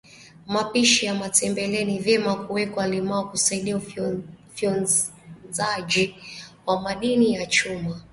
mapishi ya matembeleni vyema kuwekwa limao kusaidia ufyonzaji wa madini ya chuma